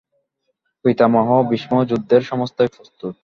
পিতামহ ভীষ্ম, যুদ্ধের সমস্তই প্রস্তুত?